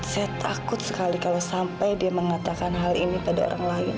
saya takut sekali kalau sampai dia mengatakan hal ini pada orang lain